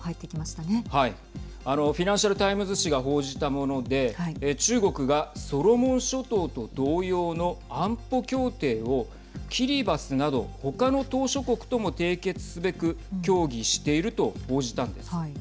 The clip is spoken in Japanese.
フィナンシャル・タイムズ紙が報じたもので中国がソロモン諸島と同様の安保協定をキリバスなどほかの島しょ国とも締結すべく協議していると報じたんです。